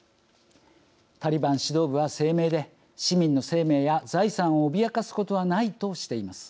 タリバン指導部は声明で「市民の生命や財産を脅かすことはない」としています